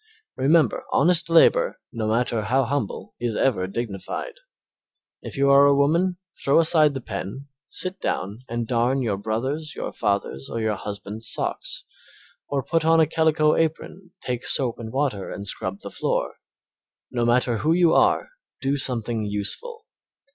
Remember honest labor, no matter how humble, is ever dignified. If you are a woman throw aside the pen, sit down and darn your brother's, your father's, or your husband's socks, or put on a calico apron, take soap and water and scrub the floor. No matter who you are do something useful.